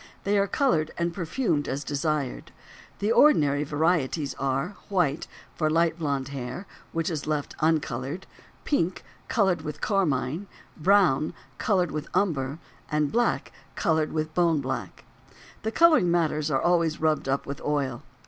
They are colored and perfumed as desired. The ordinary varieties are: white, for light blond hair, which is left uncolored; pink, colored with carmine; brown, colored with umber; and black, colored with bone black. The coloring matters are always rubbed up with oil.